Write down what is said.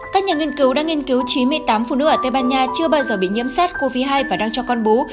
các nhà nghiên cứu đã nghiên cứu chín mươi tám phụ nữ ở tây ban nha chưa bao giờ bị nhiễm sars cov hai và đang cho con bú